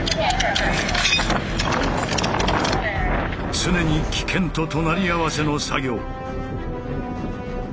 常に危険と隣り合わせの作業。